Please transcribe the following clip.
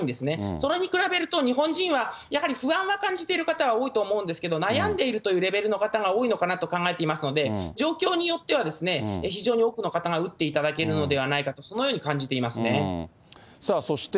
それに比べると、日本人はやはり不安は感じている方は多いと思うんですけど、悩んでいるというレベルの方が多いのかなと考えていますので、状況によっては非常に多くの方が打っていただいているのではないそして